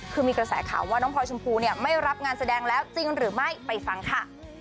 คือมีกระแสข่าวว่าน้องพลอยชมพูเนี่ยไม่รับงานแสดงแล้วจริงหรือไม่ไปฟังค่ะ